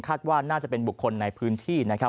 ว่าน่าจะเป็นบุคคลในพื้นที่นะครับ